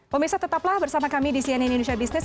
pemirsa tetaplah bersama kami di cnn indonesia business